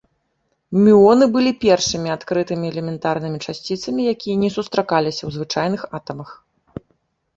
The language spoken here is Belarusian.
Мюоны былі першымі адкрытымі элементарнымі часціцамі, якія не сустракаліся ў звычайных атамах.